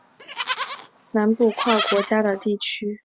厄勒地区是厄勒海峡两岸斯堪的纳维亚南部跨国家的地区。